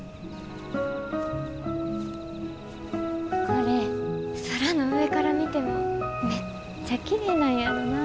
これ空の上から見てもめっちゃきれいなんやろなぁ。